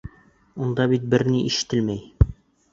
Унда бит бер ни ишетелмәй!